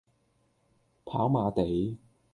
跑馬地